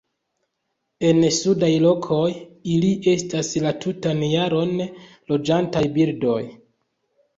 En sudaj lokoj, ili estas la tutan jaron loĝantaj birdoj.